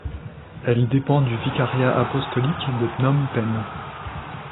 Elle dépend du vicariat apostolique de Phnom Penh.